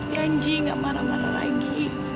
janji gak marah marah lagi